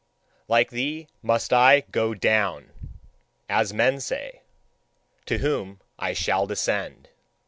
Like thee must I GO DOWN, as men say, to whom I shall descend.